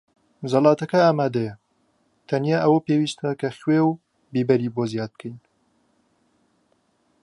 زەڵاتەکە ئامادەیە. تەنها ئەوە پێویستە کە خوێ و بیبەری بۆ زیاد بکەین.